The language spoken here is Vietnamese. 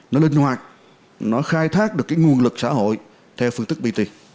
nó linh hoạt nó khai thác được cái nguồn lực xã hội theo phương tức bt